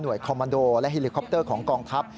คอมมันโดและเฮลิคอปเตอร์ของกองทัพ